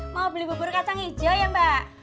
mau beli bubur kacang hijau ya mbak